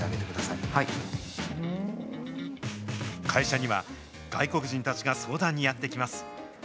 会社には外国人たちが相談にやって来ます。